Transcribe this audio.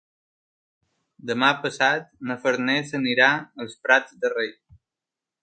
Demà passat na Farners anirà als Prats de Rei.